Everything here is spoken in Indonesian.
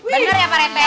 benar ya pak rt